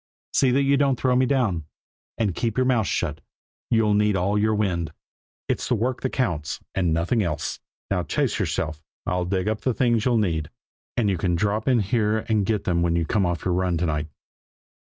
See that you don't throw me down. And keep your mouth shut; you'll need all your wind. It's work that counts, and nothing else. Now chase yourself! I'll dig up the things you'll need, and you can drop in here and get them when you come off your run to night."